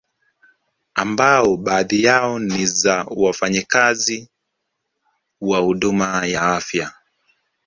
Ambao baadhi yao ni za wafanyakazi wa huduma ya afya